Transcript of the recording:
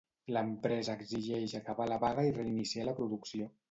L'empresa exigeix acabar la vaga i reiniciar la producció.